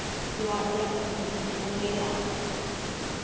"You are yet in the full daylight."